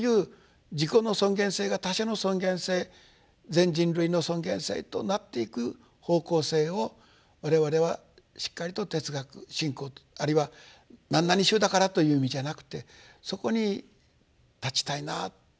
自己の尊厳性が他者の尊厳性全人類の尊厳性となっていく方向性を我々はしっかりと哲学信仰あるいは何々宗だからという意味じゃなくてそこに立ちたいなと思っています。